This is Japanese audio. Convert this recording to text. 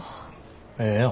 ええやん。